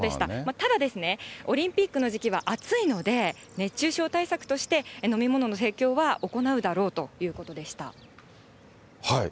ただ、オリンピックの時期は暑いので、熱中症対策として、飲み物の提供は行うだろうということでした。